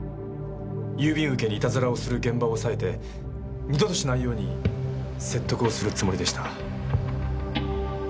郵便受けにいたずらをする現場を押さえて二度としないように説得をするつもりでした。